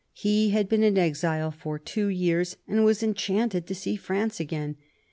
He had been an exile for two years, and was enchanted to see France again.